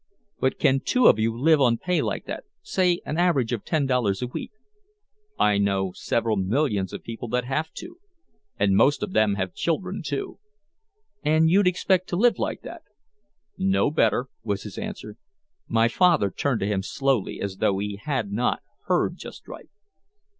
"But can two of you live on pay like that say an average of ten dollars a week?" "I know several millions of people that have to. And most of them have children too." "And you'd expect to live like that?" "No better," was his answer. My father turned to him slowly as though he had not heard just right.